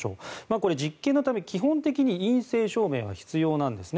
これ、実験のため基本的に陰性証明は必要なんですね。